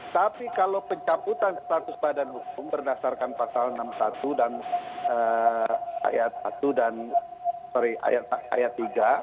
tapi kalau pencabutan status badan hukum berdasarkan pasal enam puluh satu dan ayat satu dan sorry ayat tiga